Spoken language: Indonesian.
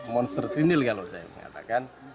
monster trinil kalau saya mengatakan